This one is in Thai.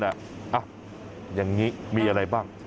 อย่างนี้มีอะไรบ้าง